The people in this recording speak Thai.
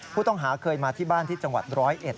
ผู้ต้องหาเคยมาที่บ้านที่จังหวัด๑๐๑